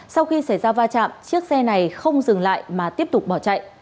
sau khi xảy ra va chạm chiếc xe này không dừng lại mà tiếp tục bỏ chạy